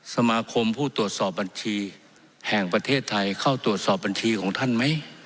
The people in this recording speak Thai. สมาคมผู้ตรวจสอบบัญชีแห่งประเทศไทยเข้าตรวจสอบบัญชีของท่านไหม